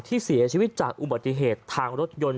ที่เสียชีวิตจากอุบัติเหตุทางรถยนต์